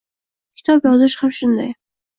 Kitob yozish ham shunday.